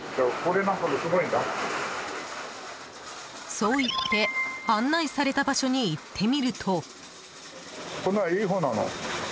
そう言って案内された場所に行ってみると。